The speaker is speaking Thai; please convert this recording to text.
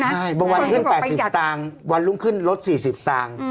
ใช่บางวันขึ้น๘๐ต่างวันลุ่มขึ้นลด๔๐ต่าง